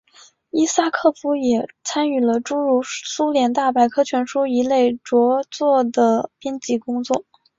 伊萨科夫也参与了诸如苏联大百科全书一类着作的编辑工作。